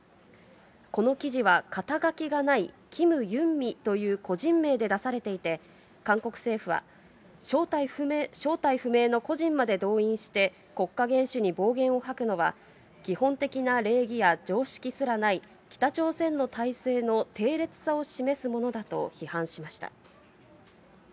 この記事は、肩書がないキム・ユンミという個人名で出されていて、韓国政府は、正体不明の個人まで動員して、国家元首に暴言を吐くのは、基本的な礼儀や常識すらない、北朝鮮の体制の低劣さを示すものだと批判しました。